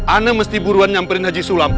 ana mesti buruan nyamperin haji sulam